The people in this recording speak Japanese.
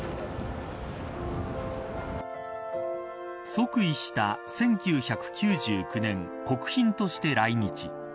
即位した１９９９年国賓として来日。